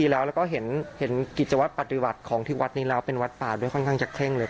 แล้วก็เห็นกิจวัตรปฏิบัติของที่วัดนี้แล้วเป็นวัดป่าด้วยค่อนข้างจะเคร่งเลย